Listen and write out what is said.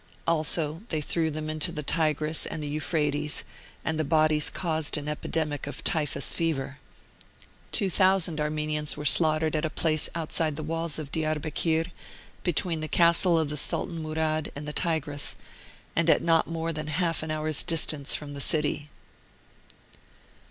Also they threw them into the Tigris and the Euphrates, and the bodies caused an epidemic of typhus fever. Two thousand Armenians were slaughtered at a place outside the walls of Diarbekir, between the Castle of Sultan Murad and the Tigris, and at not more than half an hour's distance from the city.